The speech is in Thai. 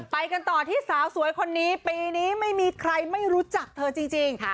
ไปกันต่อที่สาวสวยคนนี้ปีนี้ไม่มีใครไม่รู้จักเธอจริง